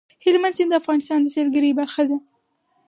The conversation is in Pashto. هلمند سیند د افغانستان د سیلګرۍ برخه ده.